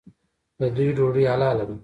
د دوی ډوډۍ حلاله ده.